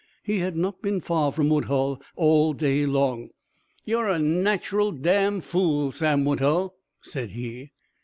He had not been far from Woodhull all day long. "Ye're a nacherl damned fool, Sam Woodhull," said he.